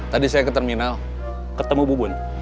tidak ada yang bisa dihapus